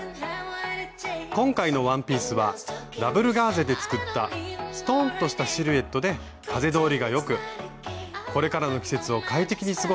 今回のワンピースはダブルガーゼで作ったストンとしたシルエットで風通りがよくこれからの季節を快適に過ごせる一着です。